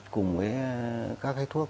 cùng với các cái thuốc